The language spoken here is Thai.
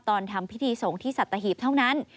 ทำพิธีสงฆ์ที่สัตหีบเท่านั้น